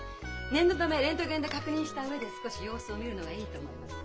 念のためレントゲンで確認した上で少し様子を見るのがいいと思います。